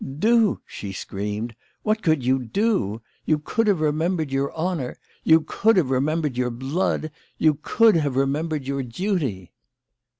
" Do !" she screamed. " What could you do ? You could have remembered your honour ! You could have remembered your blood! You could have remem bered your duty